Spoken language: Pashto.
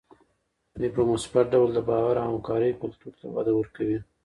دوی په مثبت ډول د باور او همکارۍ کلتور ته وده ورکوي.